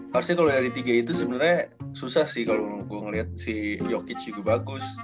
harusnya kalau dari tiga itu sebenarnya susah sih kalau gue ngeliat si yokige juga bagus